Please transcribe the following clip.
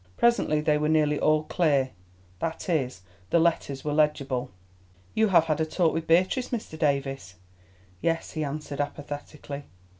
Presently they were nearly all clear—that is, the letters were legible. "You have had a talk with Beatrice, Mr. Davies?" "Yes," he answered apathetically.